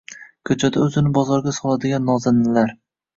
Ko‘chada o‘zini bozorga soladigan nozaninlar